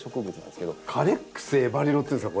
カレックスエヴァリロというんですか？